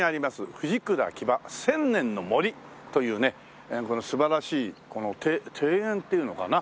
フジクラ木場千年の森というねこの素晴らしいこの庭園っていうのかな？